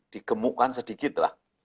digemukkan sedikit lah